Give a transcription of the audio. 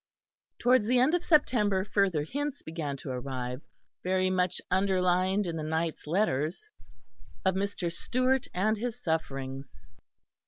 Towards the end of September further hints began to arrive, very much underlined, in the knight's letters, of Mr. Stewart and his sufferings.